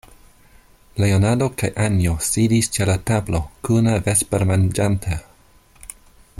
Leonardo kaj Anjo sidis ĉe la tablo, kune vespermanĝante.